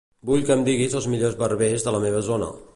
Vull que em diguis els millors barbers de la meva zona.